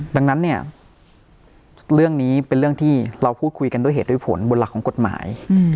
ดังนั้นเนี่ยเรื่องนี้เป็นเรื่องที่เราพูดคุยกันด้วยเหตุด้วยผลบนหลักของกฎหมาย